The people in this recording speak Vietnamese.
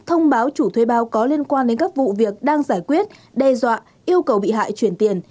thông báo chủ thuê bao có liên quan đến các vụ việc đang giải quyết đe dọa yêu cầu bị hại chuyển tiền